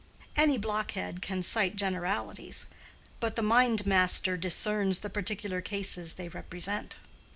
Any blockhead can cite generalities, but the mind master discerns the particular cases they represent.